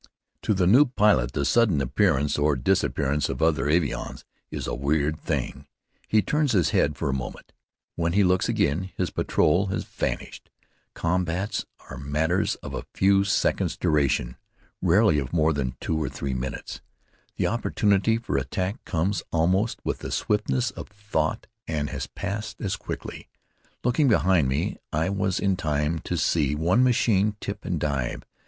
To the new pilot the sudden appearance or disappearance of other avions is a weird thing. He turns his head for a moment. When he looks again, his patrol has vanished. Combats are matters of a few seconds' duration, rarely of more than two or three minutes. The opportunity for attack comes almost with the swiftness of thought and has passed as quickly. Looking behind me, I was in time to see one machine tip and dive.